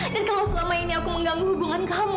dan kalau selama ini aku mengganggu hubungan kamu